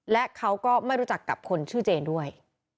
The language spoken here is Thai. และเขาก็ไม่รู้จักกับคนชื่อเจนด้วย